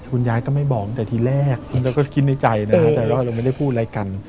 คุณยายก็ไม่บอกตั้งแต่ทีแรกก็คิดในใจนะฮะแต่ว่าเราไม่ได้พูดอะไรกัน